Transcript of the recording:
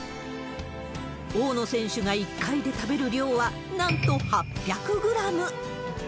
大野選手が１回で食べる量は、なんと８００グラム。